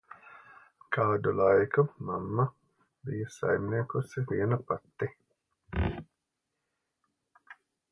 Kādu laiku mamma bij saimniekojusi viena pati.